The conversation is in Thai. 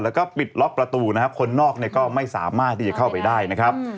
แล้วก็ปิดล็อกประตูนะครับคนนอกเนี่ยก็ไม่สามารถที่จะเข้าไปได้นะครับ